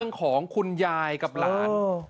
เรื่องของคุณยายกับหลาน